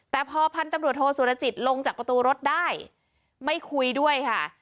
แต่พอพันธุ์ตำรวจโทษสุรจิตลงจากประตูรถได้ไม่คุยด้วยค่ะ